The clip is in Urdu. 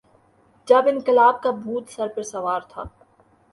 جب انقلاب کا بھوت سر پہ سوار تھا۔